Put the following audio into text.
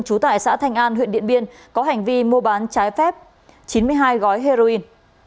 trú tại xã thanh an huyện điện biên có hành vi mua bán trái phép chín mươi hai gói heroin